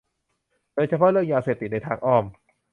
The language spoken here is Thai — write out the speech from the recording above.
โดยเฉพาะเรื่องยาเสพติดในทางอ้อม